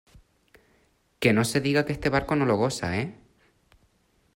¡ que no se diga que este barco no lo goza! ¿ eh?